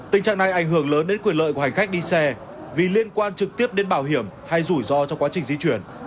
tình trạng này ảnh hưởng lớn đến quyền lợi của hành khách đi xe vì liên quan trực tiếp đến bảo hiểm hay rủi ro trong quá trình di chuyển